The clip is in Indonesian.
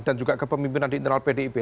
dan juga kepemimpinan di internal pdip